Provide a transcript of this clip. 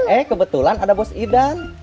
eh kebetulan ada bos idan